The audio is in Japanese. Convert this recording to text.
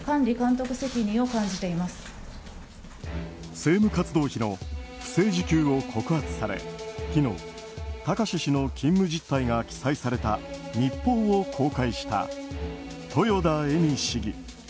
政務活動費の不正受給を告発され昨日、貴志氏の勤務実態が記載された日報を公開した豊田恵美市議。